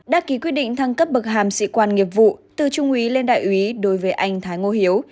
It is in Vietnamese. đã ký quyết định thăng cấp bậc hàm sĩ quan nghiệp vụ từ trung úy lên đại úy đối với anh thái ngô hiếu